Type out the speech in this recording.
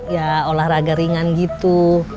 ya olahraga ringan gitu